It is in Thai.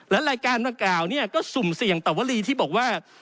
และรายการดังกล่าวเนี่ยก็สุ่มเสี่ยงต่อวรีที่บอกว่า